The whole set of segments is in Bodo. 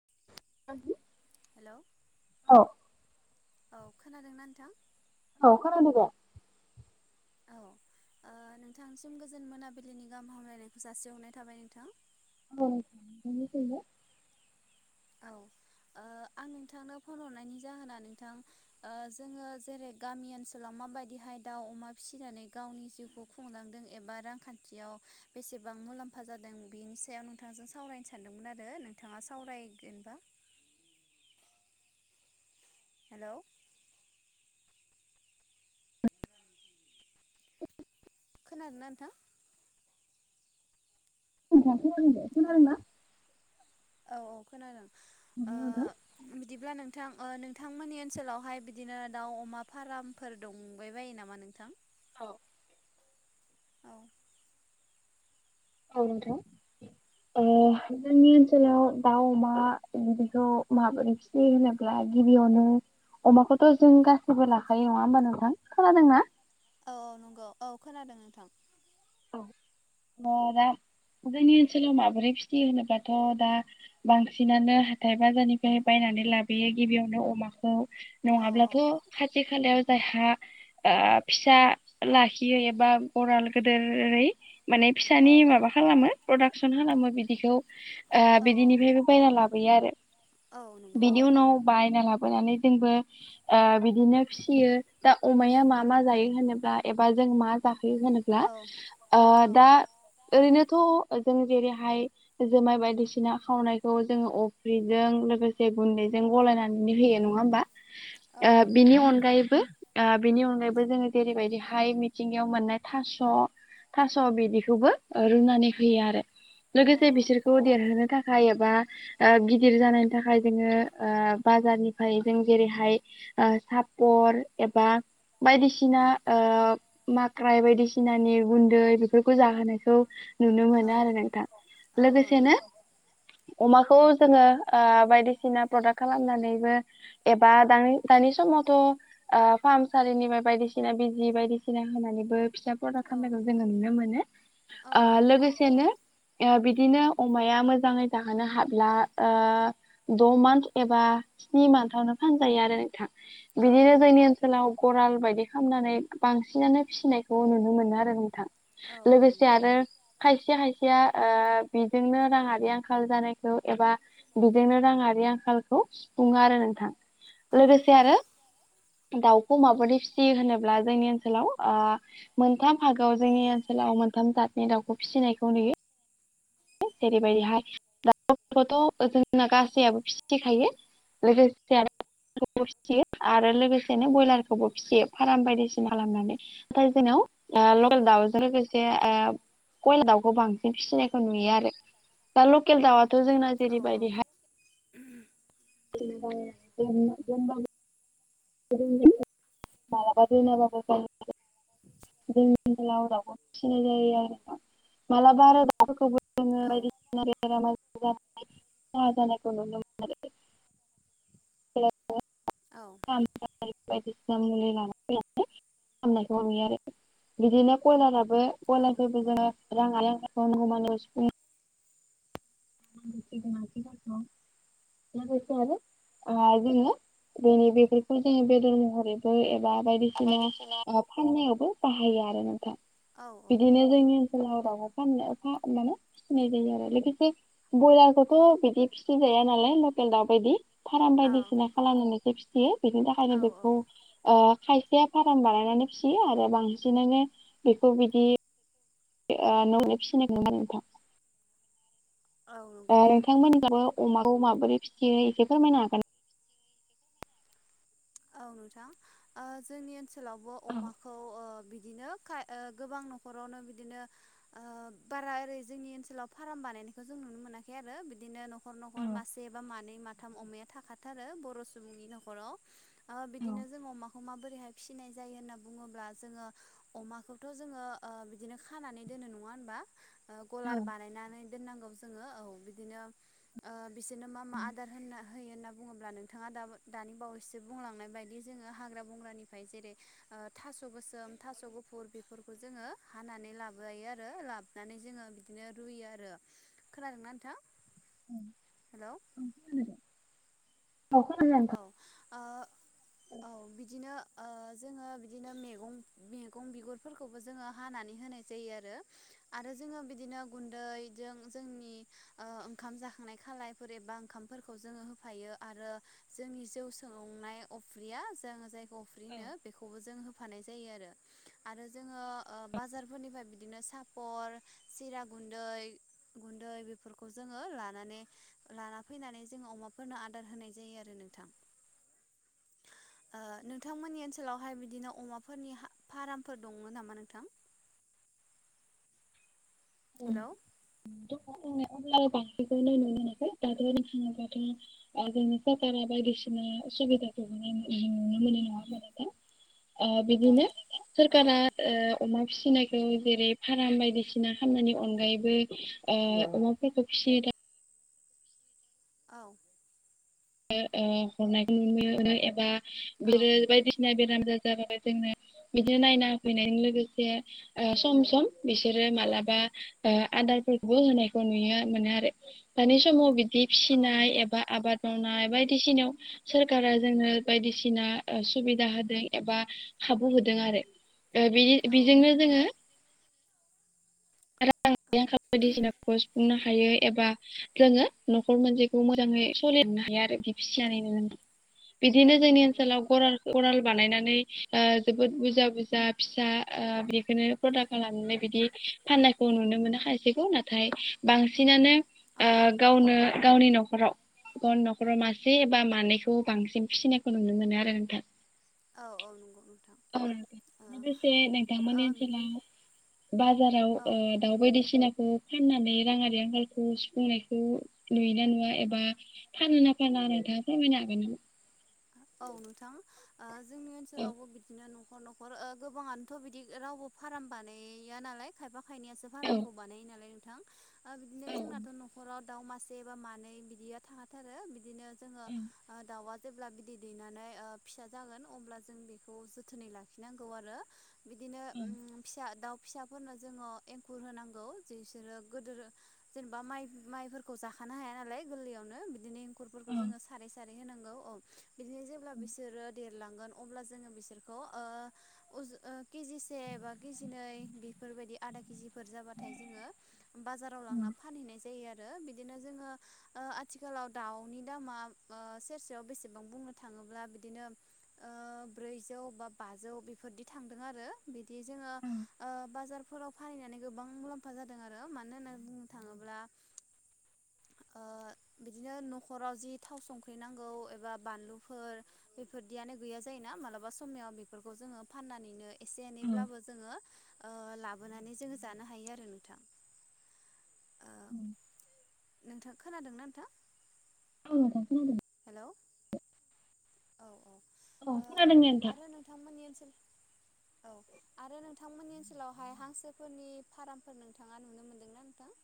[unintelligible] हेलौ। औ खोनादोंना नोंथां औ खोनादों दे औ नोंथांसिम गोजोन मोनाबिलिनि गाहाम हामलायनायखौ जासिहरनाय थाबाय नोंथां औ। औ। ओ आं नोंथांनो फन हरनायनि जाहोना नोंथां जोङो जेरै गामि ओनसोलाव माबायदिहाय दाउ अमा फिसिनानै गावनि जिउखौ खुंलांदों एबा रांखान्थियाव बेसेबां मुलाम्फा जादों बेनि सायाव नोंथांजों सावरायनो सानदोंमोन आरो नोंथाङा सावराय एबा हेलौ। खोनादोंना नोंथां? ज [unintelligible] ओ। औ औ खोनादों नोंथां? ओ बिदिब्ला नोंथां नोंथांमोननि ओनसोलावहाय बिदिनो दाउ अमा फार्मफोर दंबाय बायो नामा नोंथां औ औ औ नोंथां। ए जोंनि ओनसोलाव दाउ अमा बिदिखौ माबोरै खिनि होनोब्ला गिबियावनो अमाखौथ' जों गासिबो लाखायो नङा होमबा नोंथां खोनादों ना? औ औ नंगौ औ खोनादों नोंथां। [unintelligible] जोंनि ओनसोलाव माबोरै फिथि होनोबाथ' दा बांसिनानो हाथाय बाजारनिफ्राय बायनानै ना लाबोयो गिबियावनो अमाखौ औ औ नङाब्लाथ' खाथि खालायाव जायहा ओ फिसा लाखियो एबा रै माने फिसानि औ माबा खालामो प्रदाक्सन खालामो बिदिखौ ओ औ बिदिनिफ्रायबो बायना लाबोयो आरो औ नंगौ बिनि उनाव बायना लाबोयो लाबोनानै जोंबो बिदिनो फिसियो। अमाया मा मा जायो होनोब्ला एबा जों मा जाखोयो होनोब्ला औ ओ औ दा ओरैनोथ' जों जेरैहाय जुमाय बायदिसिना खावनायखौ जोङो अफ्रिजों लोगोसे गुन्दै जों गलायनानै होयो नङा औ होमबा नंगौ बिनि अनगायैबो बिनि अनगायबो जोङो जेरैबायदिहाय मिथिंगायाव मोननाय थास' थास' बिदिखौबो रुनानै होयो आरो औ लोगोसे बिसोरखौ देरहोनो थाखाय थाखाय एबा गिदिर जानायनि थाखाय जोङो ओ बाजारनिफ्राय जों जेरैहाय सापर एबा बायदिसिना ओ माख्राय बायदिसिनानि गुन्दै बेफोरखौ जाहोनाय। खौ नुनो औ मोनो आरो नोंथां औ औ लोगोसेनो नंगौ अमाखौ जोङो बायदिसिना प्रदाक्ट खालामनानैबो एबा दानि समावथ' फाहामसालिनिफ्राय बायदिसिना बिजि बायदिसिना होनानै फिसा फदा औ खालामनायखौ जोङो नुनो मोनो औ ओ लोगोसेनो ओ बिदिनो अमाया मोजाङै जाहोनो हाब्ला द' मान्थ एबा स्नि मान्थावनो फानजायो आरो नोंथां। औ बिदिनो नंगौ जोंनि ओनसोलाव गराल बायदि खालामनानै बांसिनानो फिसिनायखौ नुनो मोनो। आरो नोंथां औ औ लोगोसे नंगौ आरो खायसे खायसे या बेजोंनो राङारि आंखाल जानायखौ एबा बेजोंनो राङारि आंखालखौ सुफुङो आरो नोंथां औ लोगोसे आरो दाउखौ माबोरै फिसियो होनोब्ला जोंनि ओनसोलाव ओ मोनथाम भागआव जोंनि ओनसोलाव मोनथाम जातनि दाउखौ फिसिनायखौ नुयो। जेरैबायदि हाय खौथ' जोंना गासैयबो फिथिखायो लोगोसे आरो खौबो फिसियो आरो लोगोसेनो ब्रयलारखौबो फिसियो फ्राम बायदिसिना खालामनानै दफ्राय जोंनाव ओ औ लकेल दाउजों लोगोसे ओ कयेल दाउखौ बांसिन फिसिनायखौ नु नुयो आरो दा लकेल दाउआथ' जोंना औ जेरैबायदिहाय बेबाय ज जब [unintelligible] मलाबाथनाय बाबा जोंनिनोलाव दाउखौ फिसिनाय जायो आरो मालाबा आरो दाउफोरखौबो औ [unintelligible] [unintelligible] [unintelligible] बायदिसिना मुलि लानानै फैनायखौ नुयो आरो बिदिनो कयलारा बो गलारफोरबो जोङो रां आलखौ हमानो सफुंङै [inaudible] लोगोसे आरो जोङो बेनि बेफोरखौ जोंनि बेदर महरैबो बा बायदिसिना फाननायावबो बाहायो आरो नोंथां। औ बिदिनो जोंनि ओनसोलाव रावबो फाननो माने फिसिनाय जायो आरो लोगोसे ब्रयलार खौथ' बिदि फिसिजाया नालाय लकेल दाउ बायदि फार्म बायदिसिना खालामनानैसो फि यो बिनि थाखायनो औ बेखौ ओ खायसेया फार्म बानायनानै फिसियो आरो बांसिनानो बेखौ बिदि ओ न'आवनो फिसिनायखौमोन नोंथां। नंगौ ओ नोंथां नोंथांमोनहाबो अमाखौ माबोरै फिथियो एसे फोरमायनो हागोन औ नोंथां जोंनि ओनसोलावबो औ अमाखौ ओ बिब बिदिनो ओ गोबां न'खरावनो बिदिनो ओ बारा ओरै जोंनि ओनसोलाव फार्म बानाय जों नुनो मोनाखै आरो बिदिनो न'खर न'खर औ मासेबा मानै माथाम अमाया थाखाथारो आरो बर' सुबुं बिनि न'खराव ओ बिदिनो जों अमाखौ माबोरैहाय फिसिनाय जायो होनना बुङोब्ला जोङो अमाखौथ' जोङो ओ बिदिनो खानानै दोनो नङा होनबा गलार औ बानायनानै दोनांगौ जोङो औ बिदिनो ओ बिसोरनो मा मा आदार होयो होनना बुङोब्ला नोंथाङा दा दानि बावैसो बुंलांनाय बायदि जोङो हाग्रा बंग्रानिफ्राय जेरै थास' गोसोम थास' गुफुर बेफोरखौ ज जोङो हानानै लाबोजायो आरो लाबोनानै जोङो बिदिनो रुयो आरो खोनादोंना नोंथां? औ हेलौ औ [unintelligible] ओ औ बिदिनो ओ जोङो बिदिनो मैगं मैगं बिगुरफोरखौबो जोङो हानानै होनाय जायो आरो। आरो जोङो बिदिनो गुन्दैजों जोंनि ओओंखाम जाखांनाय खालायफोर एबा ओं ओंखामफोरखौ जोङो होफायो आरो जोंनि जौ संनाय अफ्रिया जों जायखौ अफ्रिनो बेखौबो जों होफानाय जायो आरो जोंङो ओ बाजार फोरनिफ्राय बिदिनो सिरा साफर गु गुन्दै बेफोरखौ जोङो लानानै लाना फैनानै जोङो अमाफोरनो आद होनाय जायो आरो नोंथां। नोंथांमोननि ओनसोलावहाय बिदिनो अमाफोरनि फारमफोर दंमोन नामा नोंथां? ओं हेलौ होननो थाङोबाथ' जों सरकारा बायदिसिना [inaudible] ओ बिदिनो औ सोरखारा ओ अमा फिसिनायखौ जेरै फार्म बायदिसिना खामनायनि अनगायैबो ओ अमाफोरखौ फिसियो दा औ ओ ओ हरनायखौ नुनो मोन एबा औ बियो बायदिसिना बे जाबाय जोंनो बिदिनो नायना होफैनायजों लोगोसे ओ सम सम बिसोरो औ मालाबा आदारफोरखौबो होनायखौ नुयो मोनो आरो दानि समाव बि बि औ फिसिनाय नंगौ एबा आबाद मावनाय बायदिसिनायाव सोरखारा जोंनो बायदिसिना सुबिदा होदों एबा खाबु होदों आरो औ बेजोंनो जोङो रां औ आंखाल बायदिसिनाफोरखौ सुफुंनो हायो एबा जोङो न'खर मोनसेखौ मोजाङै सलि हाया आरो बिसानि जानाय बिदिनो औ औ जोंनि नंगौ ओनसोलाव नोंथां औ गराल गराल बानायनानै ओ जोबोद बुरजा बुरजा फिसा बिखौनो प्रडाक्ट खालाम लानानै बिदि फाननायखौ नुनो मोनाखायसेखौ नाथाय बांसिनानो औ गावनो गावनि न'खर न'खराव न'खराव मासे एबा मानैखौ बांसिन फिसिनायखौ नुनो मोनो आरो नोंथां औ औ नंगौ। नोंथां औ ओ दसे नोंथांमोनि ओ बिदिनो ओनसोलाव बाजाराव ओ औ दाउ बायदिसिनाखौ फाननानै राङारि आंखालखौ सुफुंनायखौ नुयोना नुवा एबा फानोना फाना नोंथांआ फोरमायनो हागोन औ नोंथां जोंनि औ ओनसोलावबो बिदिनो न' खर न'खर गोबाङानोथ' बिदि रावबो फाराम बानाया नालाय खायफा खायनैयासो औ फारामखौ बानायो नालाय नोंथां बिदिनो जोंनाथ' न'खराव दाउ मासे बा मानै बिदिया थाखा थारो बिदिनो जोङो औ दाउआ जेब्ला बिदै दैनानै फिसा जागोन अब्ला जों बेखौ जोथोनै लाखिनांगौ आरो। बिदिनो औ फिसा दाउ फिसाफोरनो जोङो एंखुर होनांगौ जे बिसोरो गोदोर जेनेबा माइ माइफोरखौ जाखां नो हाया नालाय गोरलैयावनो बिदिनो औ एंखुरफोरखौ जोङो सारै सारै होनांगौ औ बिदिनो जेब्ला बिसोरोे देर लांगोन अल्बा जों बिसोरखौ ओ केजि से बा केजि नै बेफोरबायदि आधा केजिफोर जाबाथाय जोङो बाजाराव लांनानै फानहैनाय जायो आरो। बिदिनो जोङो आथिखालाव दाउनि दामा सेर सेयाव बेसे बां बुंनो थाङोब्ला बिदिनो ओ ब्रैजौ बा बाजौ बेफोरदि थांदों आरो बि दि जोङो औ बाजार फोराव फानहैनानै गोबां मुलाम्फा जादों आरो मानो होननानै बुंनो थाङोब्ला बिदिनो न'खराव जि थाव संख्रि नांगौ एबा बानलुफोर बेफोरदियानो गैया जायोना मालाबा समाव बेफोरखौ जोङो फाननानैनो एसे औ एनैब्लाबो जोङो लाबोनानै जोङो जानो हायो आरो नोंथां। ओ औ नोंथां खोनादोंना नोंथां? औ नोंथां खोनादों। हेलौ औ औ खोनादों दे नोंथां। आरो नोंथांमोननि ओनसोल औ आरो नोंथांमोननि ओनसोलावहाय हांसोफोरनि फारामफोर नोंथाङा नुनो मोनदोंना नोंथां? [inaudible]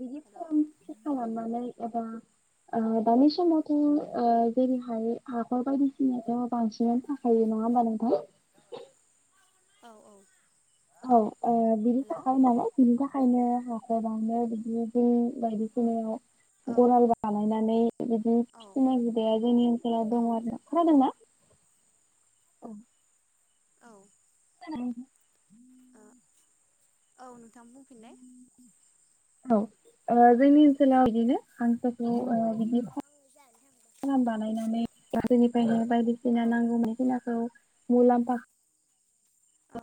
बिदि हेलौ फार्म [unintelligible] खालामनानै एबा दानि समावथ' जेरैहाय हाखर बायदिसिनायाथ' बांसिनानो थाखायो नङा होमबा नोंथां? औ औ औ बिनि हेलौ थाखाय नालाय बिनि थाखायनो हाखौ [unintelligible] बायदिसिनायाव औ गराल बानायनानै बिदि फिसिनाय हुदाया जोंनि ओनसोलाव औ दङ आरो ना खोनादों ना? औ औ [unintelligible] औ नोंथाङा बुंफिनलाय औ जोंनि ओनसोलाव बिदिनो हांसोखौ बिदि फाराम बानायनानै [unintelligible] निफ्रायनो बायदिसिना औ नांगौ [unintelligible] मुलाम्फा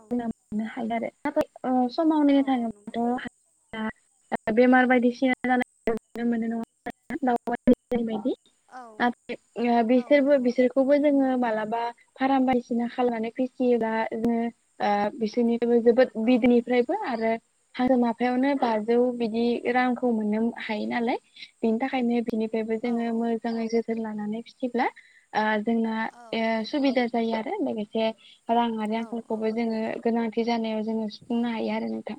औ हायो आरो नाथाय औ औ नंगौ समाव [unintelligible] दा बेमार बायदिसिना जानाय नुनो मोनो नङा [unintelligible] बायदि औ [unintelligible] औ बिसोरबो नंगौ बिसोरखौबो जोङो माला बा फाराम बायदिसिना खालामनानै फिसियोबा जों ओ बिसोरनि जेबो जोबोद औ बिदिनिफ्रायबो आरो आरो माफायावनो बाजौ बिदि रांखौ मोननो हायो नालाय बिनि थाखायनो बिनि बेबो औ जोङो मोजाङै जोथोन लानानै फिसिब्ला जोंना औ ओ सुबिदा जायो आरो लोगोसे राङारि आंखाल गोनांथि जानायाव जोङो सुफुंनो हायो आरो नोंथां।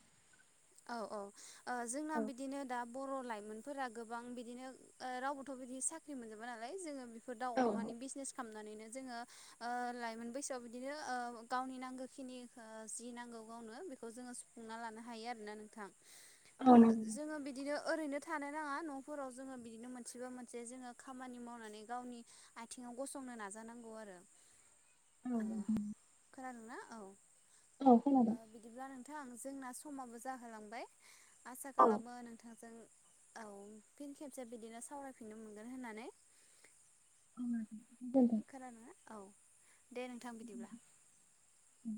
औ औ जोंना बिदिनो दा बर' लाइमोनफोरा गोबां बिदिनो रावबोथ' बिदि साख्रि मोनजोबा नालाय जोङो दा औ अमानि बिजनेस खालाम नानैनो जोङो ओ लाइमोन बैसोआव बिदिनो ओ गावनि नांगो खिनिखो जि नांगौ गावनो बेखौ जोङो सुफुंना लानो हायो आरोना नोंथां ओ औ नंगौ जोङो बिदिनो ओरैनो थानो नाङा न'फोराव जोङो बिदिनो मोनसेबा मोनसे जोङो खामानि मावनानै गावनि आथिं गसंनो नाजानांगौ आरो। औ नोंथां। खोनादों ना? औ। औ ओ खोनादों। बिदिब्ला नोंथां जोंना समाबो जाहोलांबाय आसा खालामो नोंथांजों औ फिन खेबसे बिदिनो सावरायफिननो मोनगोन होननानै। औ। खोनादोंना? औ दे नोंथां बिदिब्ला। उम।